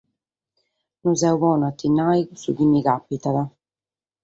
Non so bonu a ti lu nàrrere su chi mi càpitat.